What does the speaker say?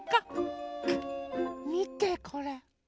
みてこれ。